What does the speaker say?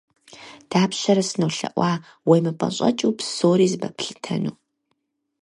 Дапщэрэ сынолъэӀуа уемыпӀэщӀэкӀыну, псори зэпэплъытэну?